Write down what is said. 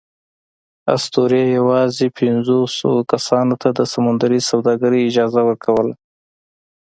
اسطورې یواځې پینځوسوو کسانو ته د سمندري سوداګرۍ اجازه ورکوله.